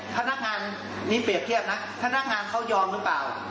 ท่านทางนี้เปรียบเทียบนะท่านทางเขายอมหรือเปล่า